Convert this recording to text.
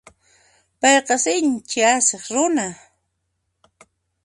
Payqa sinchi asiq runa.